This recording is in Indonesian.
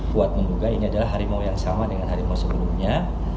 kuat menduga ini adalah harimau yang sama dengan harimau sebelumnya